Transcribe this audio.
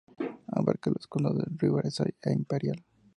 Abarca los condados de Riverside e Imperial.